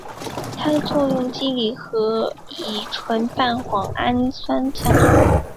它的作用机理和乙酰半胱氨酸相同。